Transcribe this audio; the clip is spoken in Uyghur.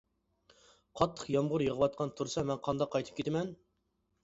قاتتىق يامغۇر يېغىۋاتقان تۇرسا مەن قانداق قايتىپ كېتىمەن!